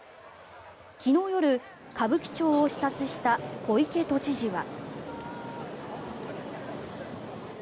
昨日夜、歌舞伎町を視察した小池都知事は。